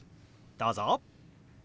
どうぞ。